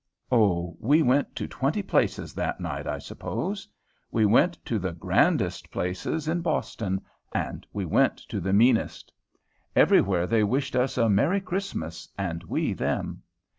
O, we went to twenty places that night, I suppose! We went to the grandest places in Boston, and we went to the meanest. Everywhere they wished us a merry Christmas, and we them.